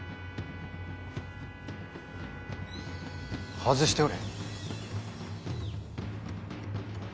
外しておれ。